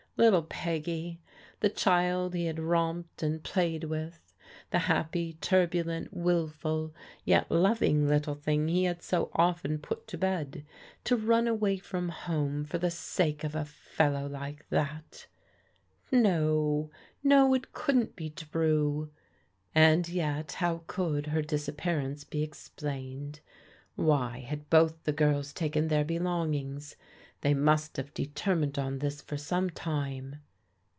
Little Peggy, the child he had romped and played with; the happy, turbulent, wilful, yet loving little thing he had so often put to bed, to run away from home for the sake of a fellow like that ! No, no, it couldn't be true ! And yet how could her disappearance be explained? TBBVOE TEELAWNEY 119 Why had both the girls taken their belongings? They must have determined on this for some time.